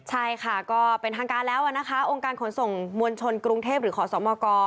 ใช่ค่ะก็เป็นทางการแล้วนะคะองค์การขนส่งมวลชนกรุงเทพหรือขอสมก